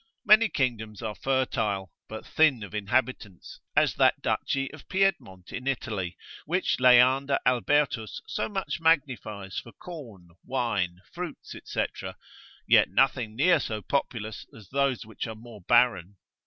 Many kingdoms are fertile, but thin of inhabitants, as that Duchy of Piedmont in Italy, which Leander Albertus so much magnifies for corn, wine, fruits, &c., yet nothing near so populous as those which are more barren.